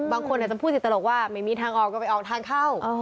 บางคนอาจจะพูดติดตลกว่าไม่มีทางออกก็ไปออกทางเข้า